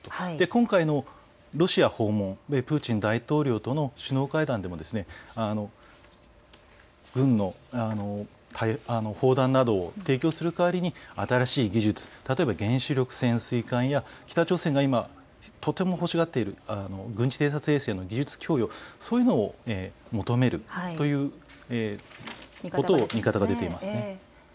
今回のロシア訪問、プーチン大統領との首脳会談でも軍の砲弾などを提供する代わりに新しい技術、原子力潜水艦や北朝鮮が今とても欲しがっている軍事偵察衛星の技術供与、そういうのを求めるという見方が出ています。